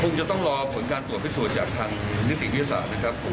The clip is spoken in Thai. คงจะต้องรอผลการตัวพิสูจน์จากทางมิติภิษฐานนะครับ